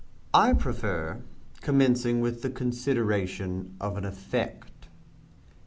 I prefer commencing with the consideration of an effect.